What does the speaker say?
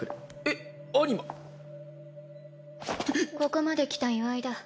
ここまで来た祝いだ。